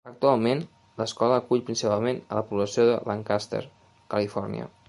Actualment, l'escola acull principalment a la població de Lancaster, California.